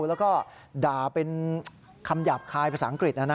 แล้วก็ด่าเป็นคำหยาบคายภาษาอังกฤษ